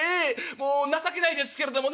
もう情けないですけれどもね